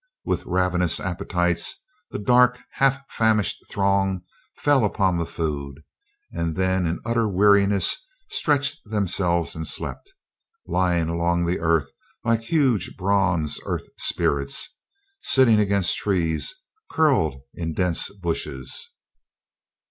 With ravenous appetites the dark, half famished throng fell upon the food, and then in utter weariness stretched themselves and slept: lying along the earth like huge bronze earth spirits, sitting against trees, curled in dense bushes.